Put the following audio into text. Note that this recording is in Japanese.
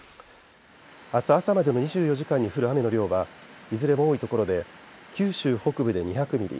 明日朝までの２４時間に降る雨の量はいずれも多いところで九州北部で２００ミリ